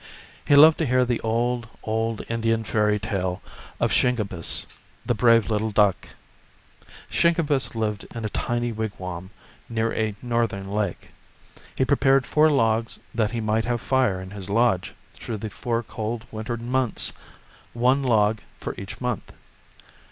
He loved to hear the old, old Indian fairy tale of Shingebiss, the hrave little duck. Shingebiss lived in a tiny wigwam near a northern lake. He prepared four logs that he might have fire in his lodge through the four cold winter months one log for each month.